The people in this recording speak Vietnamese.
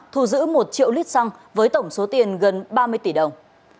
thu giữ một triệu lít xăng với tổng số tiền gần ba mươi tỷ đồng